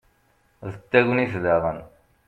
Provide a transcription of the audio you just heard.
d tagnit daɣen